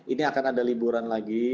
ini akan ada liburan lagi